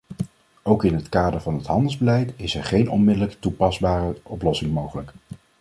Ook in het kader van het handelsbeleid is er geen onmiddellijk toepasbare oplossing mogelijk.